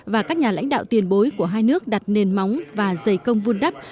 và các nhà lãnh đạo tiền bối của hai nước đặt nền móng và dày công vun đắp